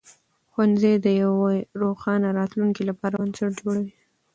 ښوونځي د یوې روښانه راتلونکې لپاره بنسټ جوړوي.